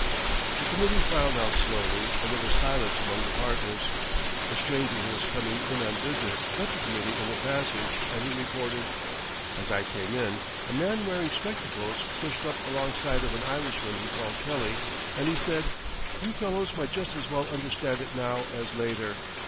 The committee filed out slowly and there was silence among the partners. A stranger who was coming in on business met the committee in the passage and he reported: "As I came in, a man wearing spectacles pushed up alongside of an Irishman he called Kelly, and he said: 'You fellows might just as well understand it now as later.